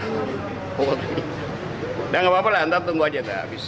udah gak apa apa lah nanti tunggu aja